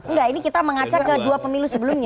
enggak ini kita mengacak ke dua pemilu sebelumnya